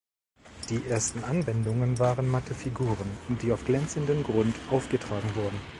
Die ersten Anwendungen waren matte Figuren, die auf glänzenden Grund aufgetragen wurden.